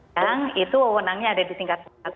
yang itu wawonangnya ada di tingkat sekolah